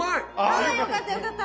あよかったよかった。